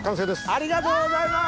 ありがとうございます！